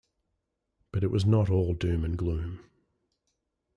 But it was not all doom and gloom.